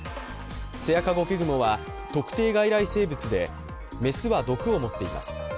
セアカゴケグモは特定外来生物で、雌は毒を持っています。